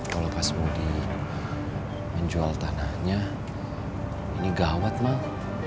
kalau kas mudih menjual tanahnya ini gawat mang